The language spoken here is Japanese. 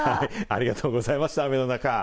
ありがとうございました、雨の中。